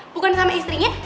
bukan sama istrinya